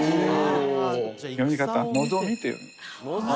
読み方「のぞみ」と読む。